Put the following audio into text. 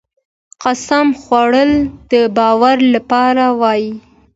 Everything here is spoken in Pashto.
د قسم خوړل د باور لپاره وي.